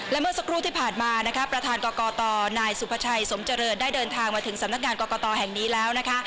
และเมื่อสักครู่ที่ผ่านมานะคะประธานกรกตนายสุภาชัยสมเจริญได้เดินทางมาถึงสำนักงานกรกตแห่งนี้แล้วนะคะ